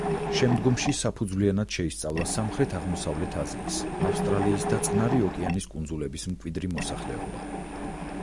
შემდგომში საფუძვლიანად შეისწავლა სამხრეთ-აღმოსავლეთ აზიის, ავსტრალიის და წყნარი ოკეანის კუნძულების მკვიდრი მოსახლეობა.